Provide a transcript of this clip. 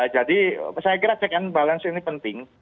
jadi saya kira check and balance ini penting